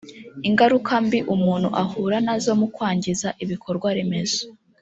ingaruka mbi umuntu ahura nazo mukwangiza ibikorwa remezo